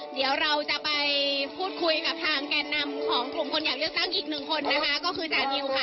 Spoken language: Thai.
เดี๋ยวเราจะไปพูดคุยกับทางแก่นำของกลุ่มคนอยากเลือกตั้งอีกหนึ่งคนนะคะก็คือจานิวค่ะ